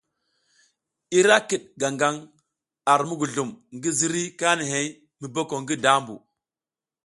Ira kiɗ gaŋ gang ar muguzlum ngi ziriy kanihey mu boko ngi dambu.